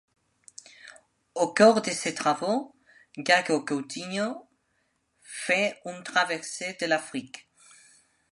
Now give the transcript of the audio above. Au cours de ses travaux, Gago Coutinho fait une traversée de l'Afrique.